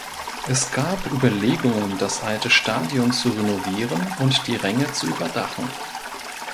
Es gab Überlegungen das alte Stadion zu renovieren und die Ränge zu überdachen.